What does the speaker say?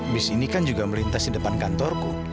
bis ini kan juga melintasi depan kantorku